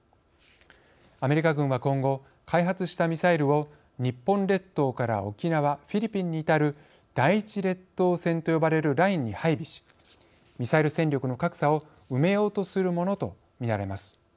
アメリカ軍は今後開発したミサイルを日本列島から沖縄フィリピンに至る第一列島線と呼ばれるラインに配備しミサイル戦力の格差を埋めようとするものとみられます。